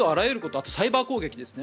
あとサイバー攻撃ですね。